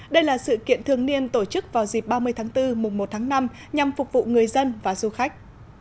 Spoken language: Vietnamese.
đây là sự kiện thường niên tổ chức vào dịp ba mươi tháng bốn mùng một tháng năm nhằm phục vụ người dân và du khách